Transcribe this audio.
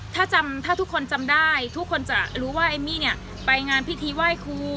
ถ้าจำถ้าทุกคนจำได้ทุกคนจะรู้ว่าเอมมี่เนี่ยไปงานพิธีไหว้ครู